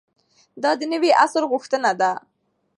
دا د نوي عصر غوښتنه ده.